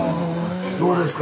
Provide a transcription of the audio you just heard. どうですか？